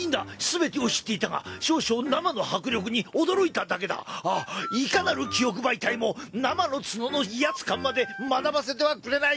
全てを知っていたが少々生の迫力に驚いただけだあっいかなる記憶媒体も生の角の威圧感まで学ばせてはくれない。